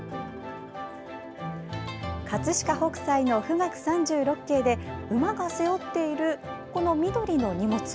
葛飾北斎の「冨嶽三十六景」で馬が背負っているこの緑の荷物。